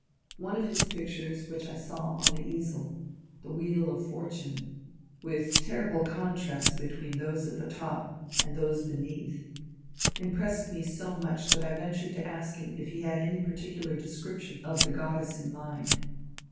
One of his pictures which I saw on the easel — the Wheel of Fortune, with terrible contrast between those at the top and those be neath — impressed me so much that I ventured to ask him if he had any particular description of the goddess in mind.